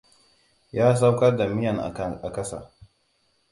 Ya sauƙar da miyan a ƙasa.